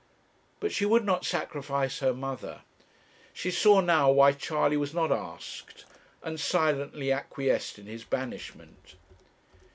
But she would not sacrifice her mother. She saw now why Charley was not asked, and silently acquiesced in his banishment.